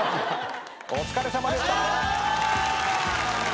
お疲れさまでした。